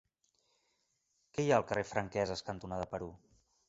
Què hi ha al carrer Franqueses cantonada Perú?